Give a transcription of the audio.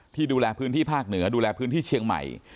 ดูแลพื้นที่ภาคเหนือดูแลพื้นที่เชียงใหม่